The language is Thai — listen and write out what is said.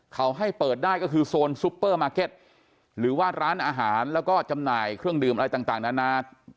เขาให้เปิดได้ก็คือโซนซุปเปอร์มาร์เก็ตหรือว่าร้านอาหารแล้วก็จำหน่ายเครื่องดื่มอะไรต่างนานา